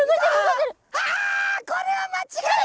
あこれは間違いない！